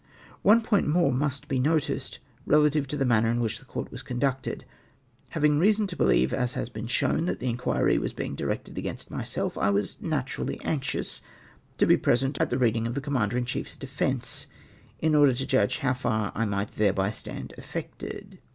One point more must be noticed, relative to the manner in which the Coiurt was conducted. Having reason to believe, as has been shown, that the inquhy was being dkected against myself, I was naturally anxious to be present at the reading of the Commander in chief's defence, in order to judge how far I might thereby stand affected.